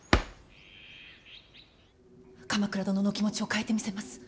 鎌倉殿のお気持ちを変えてみせます。